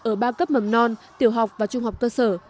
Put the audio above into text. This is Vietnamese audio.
ở ba cấp mầm non tiểu học và trung học cơ sở